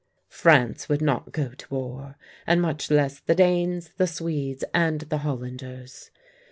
France would not go to war, and much less the Danes, the Swedes, and the Hollanders.